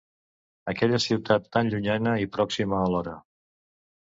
Aquella ciutat tan llunyana i pròxima alhora!